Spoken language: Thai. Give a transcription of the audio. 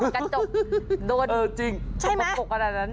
กระจกโดนเออจริง